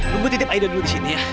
lo butip aida dulu disini ya